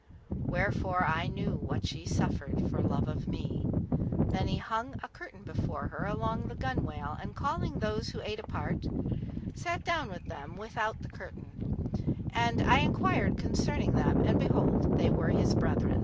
Wherefore I knew what she suffered for love of me. Then he hung a curtain before her along the gunwale and calling those who ate apart, sat down with them without the curtain; and I enquired concerning them and behold they were his brethren.